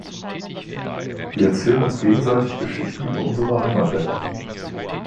Wir erzählen uns gegenseitig Geschichten über unsere Heimatländer.